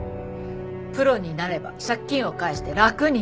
プロになれば借金を返して楽になれる。